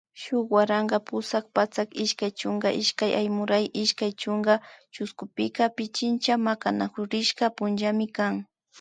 Shuk waranka pusak patsak ishkay chunka ishkay Aymuray ishkay chunka chushkupika Pichincha Makanakurishka punllami kan